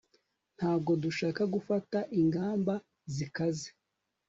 Ntabwo dushaka gufata ingamba zikaze